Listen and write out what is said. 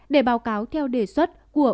để báo cáo theo đề xuất của